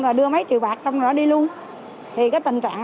rồi đưa mấy triệu bạc xong rồi nó đi luôn